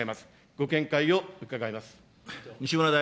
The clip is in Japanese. ご見解を伺います。